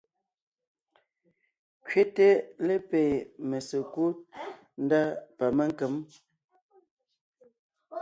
Kẅéte lépée mésekúd ndá pa ménkěm.